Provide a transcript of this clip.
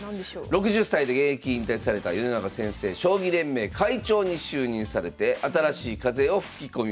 ６０歳で現役引退された米長先生将棋連盟会長に就任されて新しい風を吹き込みます。